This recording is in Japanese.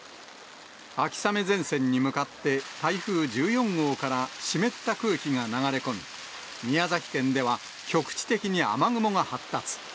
秋雨前線に向かって、台風１４号から湿った空気が流れ込み、宮崎県では局地的に雨雲が発達。